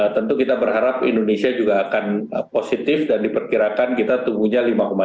tentu kita berharap indonesia juga akan positif dan diperkirakan kita tumbuhnya lima tujuh